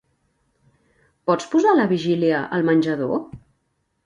Pots posar "La vigília" al menjador?